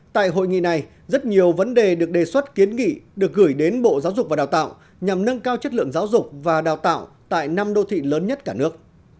tại hội nghị này rất nhiều vấn đề được đề xuất kiến nghị được gửi đến bộ giáo dục và đào tạo nhằm nâng cao chất lượng giáo dục và đào tạo tại năm đô thị lớn nhất cả nước